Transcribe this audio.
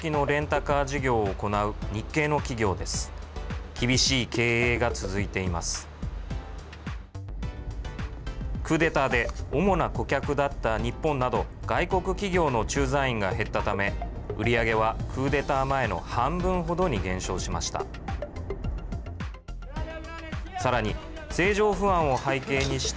クーデターで主な顧客だった日本など外国企業の駐在員が減ったため売り上げはクーデター前の半分程に減少しました。